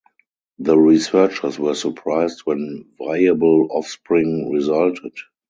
The researchers were surprised when viable offspring resulted.